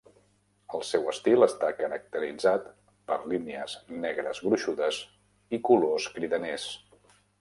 El seu estil està caracteritzat per línies negres gruixudes i colors cridaners.